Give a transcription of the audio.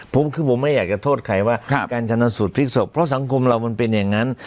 ผมคือผมไม่อยากจะโทษใครว่าการชนสูตรพลิกศพเพราะสังคมเรามันเป็นอย่างนั้น